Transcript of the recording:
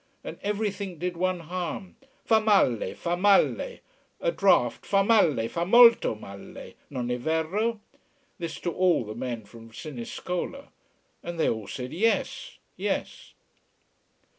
And everything did one harm fa male, fa male. A draught fa male, fa molto male. Non è vero? this to all the men from Siniscola. And they all said Yes yes.